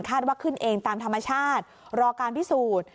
ว่าขึ้นเองตามธรรมชาติรอการพิสูจน์